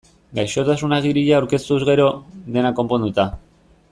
Gaixotasun-agiria aurkeztuz gero, dena konponduta.